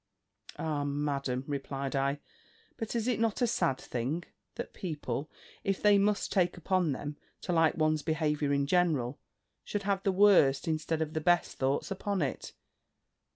"Ah! Madam," replied I, "but is it not a sad thing, that people, if they must take upon them to like one's behaviour in general, should have the worst, instead of the best thoughts upon it?